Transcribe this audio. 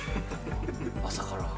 朝から。